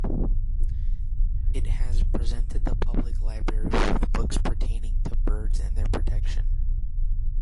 It has presented the public library with books pertaining to birds and their protection.